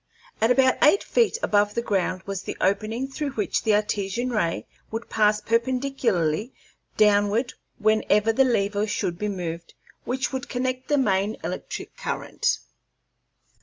At about eight feet above the ground was the opening through which the Artesian ray would pass perpendicularly downward whenever the lever should be moved which would connect the main electric current.